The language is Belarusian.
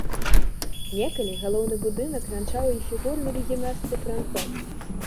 Некалі галоўны будынак вянчаў і фігурны выгінасты франтон.